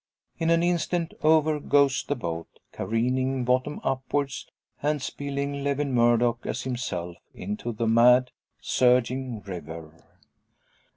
In an instant over goes the boat, careening bottom upwards, and spilling Lewin Murdock, as himself, into the mad surging river!